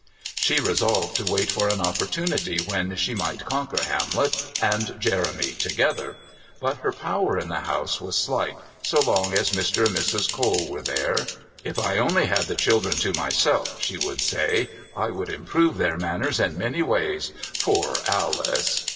She resolved to wait for an opportunity when she might conquer Hamlet and Jeremy together, but her power in the house was slight, so long as Mr. and Mrs. Cole were there. "If I only had the children to myself," she would say, "I would improve their manners in many ways. Poor Alice